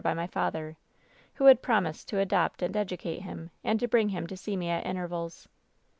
* by my father, who had promised to adopt and educate him, and to bring him to see me at intervals.